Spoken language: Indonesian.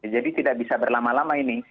jadi tidak bisa berlama lama ini